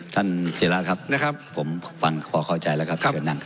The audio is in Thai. ท่านศิราครับผมพอเข้าใจแล้วครับ